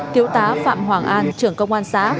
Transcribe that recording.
tiếu tá phạm hoàng an trưởng công an xã